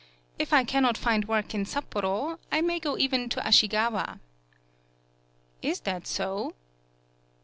If I cannot find work in Sapporo, I may go even to Asahigawa." "Is that so?